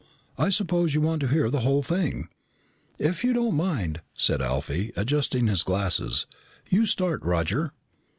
"I suppose you want to hear the whole thing." "If you don't mind," said Alfie, adjusting his eyeglasses. "You start, Roger."